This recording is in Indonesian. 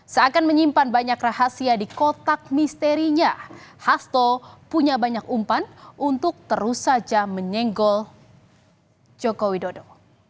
seakan menyimpan banyak rahasia di kotak misterinya hasto punya banyak umpan untuk terus saja menyenggol joko widodo